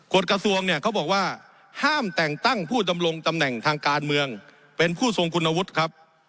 กฎกระทรวงเนี่ยเขาบอกว่าห้ามแต่งตั้งผู้ดำรงตำแหน่งทางการเมืองเป็นผู้ทรงคุณวุฒิครับ